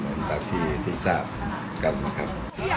ตามที่ที่ที่ทราบกันนะครับ